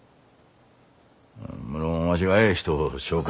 無論わしがええ人を紹介。